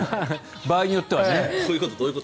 場合によってはね。